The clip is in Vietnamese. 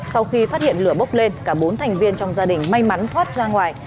sau khi phát hiện lửa bốc lên cả bốn thành viên trong gia đình may mắn thoát ra ngoài